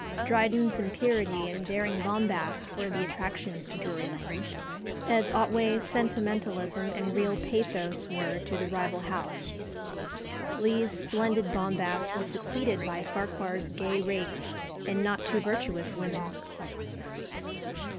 '" Dryden's impurity and daring bombast were the attractions to Drury Lane, as Otway's sentimentalism and real pathos were to the rival house. Lee's splendid bombast was succeeded by Farquhar's gay rakes and not too virtuous women.